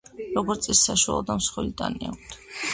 როგორც წესი, საშუალო და მსხვილი ტანი აქვთ.